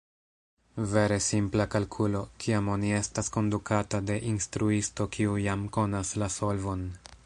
Vere simpla kalkulo, kiam oni estas kondukata de instruisto kiu jam konas la solvon.